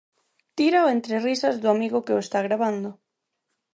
Tírao entre risas do amigo que o está gravando.